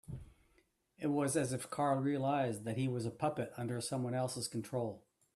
It was as if Carl realised that he was a puppet under someone else's control.